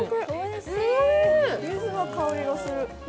柚子の香りがする。